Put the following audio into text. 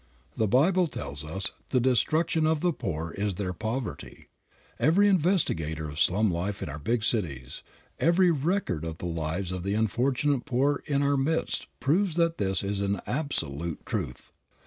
The Bible tells us "The destruction of the poor is their poverty." Every investigator of slum life in our big cities, every record of the lives of the unfortunate poor in our midst proves that this is an absolute truth.